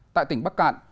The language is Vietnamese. tại tỉnh bắc cạn